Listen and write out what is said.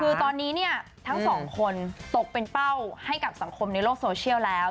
คือตอนนี้เนี่ยทั้งสองคนตกเป็นเป้าให้กับสังคมในโลกโซเชียลแล้ว